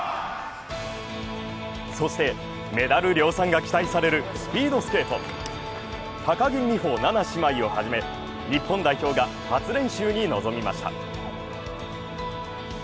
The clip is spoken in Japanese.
そしてメダル量産が期待されるスピードスケート高木美帆・菜那姉妹をはじめ、日本代表が初練習に臨みました。